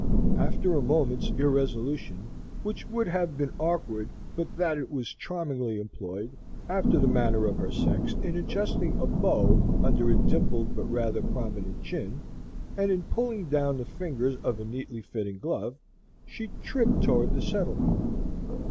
After a moment's irresolution, which would have been awkward but that it was charmingly employed, after the manner of her sex, in adjusting a bow under a dimpled but rather prominent chin, and in pulling down the fingers of a neatly fitting glove, she tripped toward the settlement.